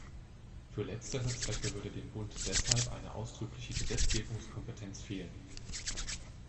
Für letztere Zwecke würde dem Bund deshalb eine ausdrückliche Gesetzgebungskompetenz fehlen.